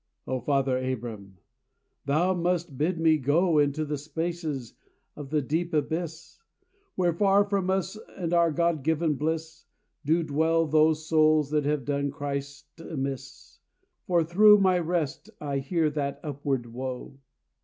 O Father Abram, thou must bid me go Into the spaces of the deep abyss; Where far from us and our God given bliss, Do dwell those souls that have done Christ amiss; For through my rest I hear that upward woe.